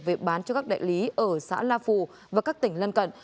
về bán cho các đại lý ở xã la phù và các tỉnh lân cận